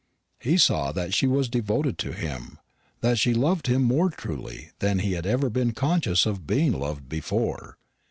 He saw that she was devoted to him; that she loved him more truly than he had ever been conscious of being loved before.